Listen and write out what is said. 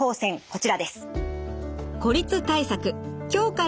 こちらです。